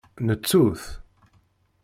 Nettu-t.